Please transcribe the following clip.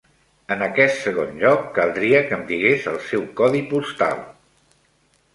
En aquest segon lloc, caldria que em digués el seu codi postal.